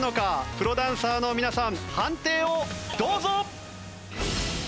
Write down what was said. プロダンサーの皆さん判定をどうぞ！